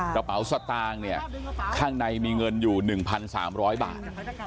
กระเป๋าสตางค์เนี่ยข้างในมีเงินอยู่๑๓๐๐บาท